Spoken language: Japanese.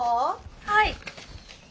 はい。